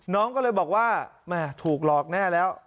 น้องก็เลยบอกว่าแม่ถูกหลอกแน่แล้ว